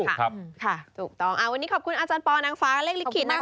ถูกต้องวันนี้ขอบคุณอาจารย์ปอนางฟ้ากับเลขลิขิตนะคะ